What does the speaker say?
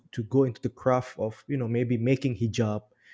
yang ingin berusaha untuk membuat hijab